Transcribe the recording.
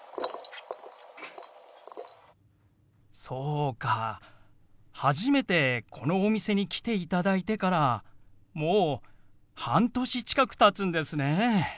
そうか初めてこのお店に来ていただいてからもう半年近くたつんですね。